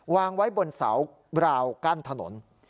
วางไว้บนเสาราวกั้นถนน